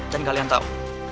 dan kalian tahu